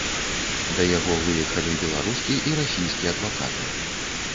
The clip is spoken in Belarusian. Да яго выехалі беларускі і расійскі адвакаты.